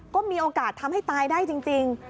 ก็มีโอกาสทำให้ตายได้จริง